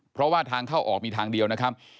เพราะว่าทางเข้าออกมีทางเดียวนะครับ